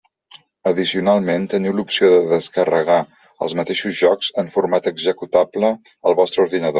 Addicionalment teniu l'opció de descarregar els mateixos jocs en format executable al vostre ordinador.